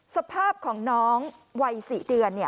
สภาพของน้องวัย๔เดือน